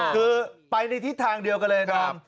คือไปในทิศทางเดียวกันเลยดอม